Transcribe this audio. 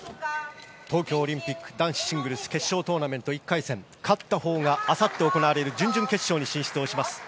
東京オリンピック男子シングルス決勝トーナメント１回戦勝ったほうがあさって行われる準々決勝に進出します。